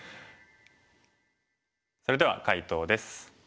それでは解答です。